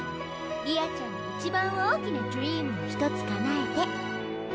理亞ちゃんの一番大きなドリームを一つ叶えて。